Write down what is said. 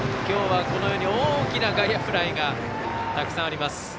きょうは、大きな外野フライがたくさんあります。